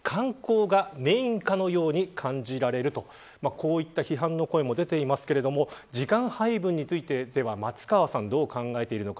こういった批判の声も出ていますけれども時間配分についてでは松川さんはどう考えているのか。